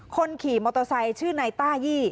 คนขี่มอเตอร์ไซค์ชื่อนายต้ายี่